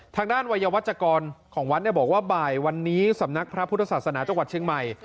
ทางด้านวัยวัชกรของวัดบอกว่าบ่ายวันนี้สำนักพระพุทธศาสนาจังหวัดเชียงใหม่